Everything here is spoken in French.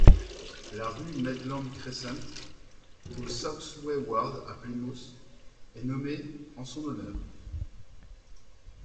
La rue Medland Crescent, au Southway Ward à Plymouth est nommée en son honneur.